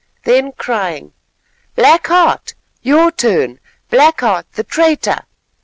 Then crying:— "Black Heart! your turn, Black Heart the traitor!"